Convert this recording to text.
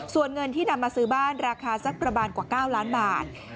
ส่วนเงินที่นำมาซื้อบ้านราคาสักประมาณกว่า๙ล้านบาท